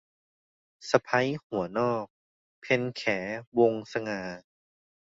สะใภ้หัวนอก - เพ็ญแข วงศ์สง่า